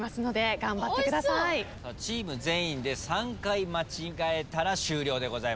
チーム全員で３回間違えたら終了でございます。